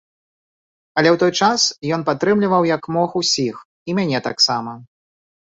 Але ў той час ён падтрымліваў, як мог, усіх, і мяне таксама.